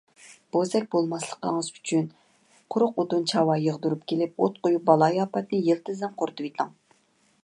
بوزەك بولماسلىقىڭىز ئۈچۈن قۇرۇق ئوتۇن - چاۋا يىغدۇرۇپ كېلىپ ئوت قويۇپ بالايىئاپەتنى يىلتىزىدىن قۇرۇتۇۋېتىڭ.